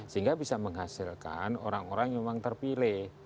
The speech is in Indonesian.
sehingga bisa menghasilkan orang orang yang memang terpilih